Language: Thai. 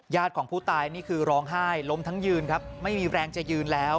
ของผู้ตายนี่คือร้องไห้ล้มทั้งยืนครับไม่มีแรงจะยืนแล้ว